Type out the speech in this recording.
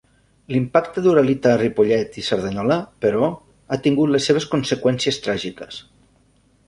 L'impacte d'Uralita a Ripollet i Cerdanyola, però, ha tingut les seves conseqüències tràgiques.